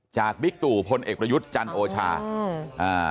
จากบิกตู่พลเอกรยุทธ์จันโอชาอ่า